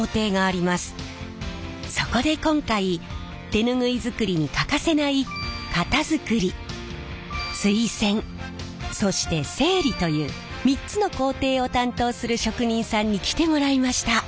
そこで今回手ぬぐい作りに欠かせない型作り水洗そして整理という３つの工程を担当する職人さんに来てもらいました。